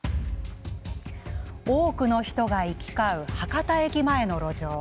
多くの人が行き交う博多駅前の路上。